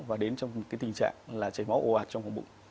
và đến trong một cái tình trạng là chảy máu ồ ạt trong bụng